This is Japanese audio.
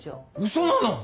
嘘なの？